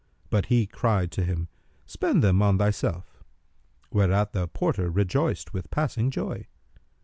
But he cried to him, "Spend them on thyself;" whereat the porter rejoiced with passing joy.